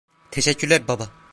Teşekkürler baba.